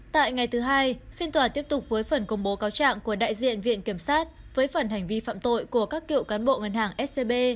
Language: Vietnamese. tại ngày thứ hai phiên tòa tiếp tục với phần công bố cáo trạng của đại diện viện kiểm sát với phần hành vi phạm tội của các cựu cán bộ ngân hàng scb